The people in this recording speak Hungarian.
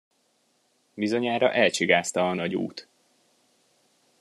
Bizonyára elcsigázta a nagy út.